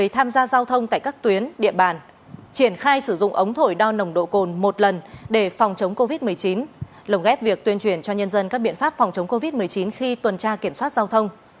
triển khai sử dụng ống thổi đo nồng độ cồn một lần để phòng chống covid một mươi chín lồng ghép việc tuyên truyền cho nhân dân các biện pháp phòng chống covid một mươi chín khi tuần tra kiểm soát giao thông